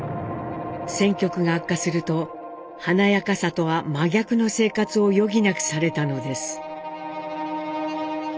戦局が悪化すると華やかさとは真逆の生活を余儀なくされたのです。